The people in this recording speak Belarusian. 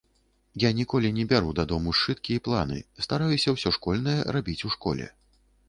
Я ніколі не бяру дадому сшыткі і планы, стараюся ўсё школьнае рабіць у школе.